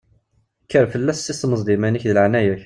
Kker fell-as, tessisneḍ-d iman-ik di leɛnaya-k!